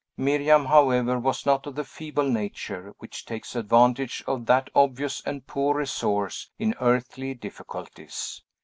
Miriam, however, was not of the feeble nature which takes advantage of that obvious and poor resource in earthly difficulties.